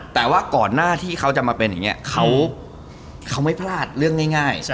แต่ว่าก่อนหน้าที่เขาจะมาเป็นอย่างนี้เขาไม่พลาดเรื่องง่าย